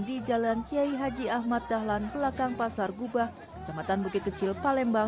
di jalan kiai haji ahmad dahlan belakang pasar gubah kecamatan bukit kecil palembang